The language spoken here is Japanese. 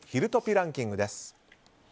ランキングです。